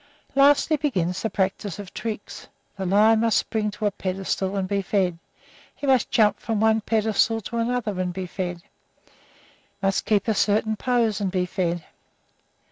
Lastly begins the practice of tricks: the lion must spring to a pedestal and be fed; he must jump from one pedestal to another and be fed, must keep a certain pose and be fed.